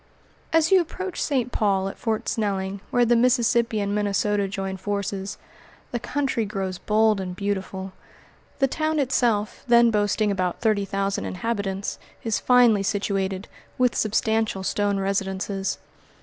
As you approach St. Paul, at Fort Snelling, where the Mississippi and Minnesota join forces, the country grows bold and beautiful. The town itself, then boasting about thirty thousand inhabitants, is finely situated, with substantial stone residences.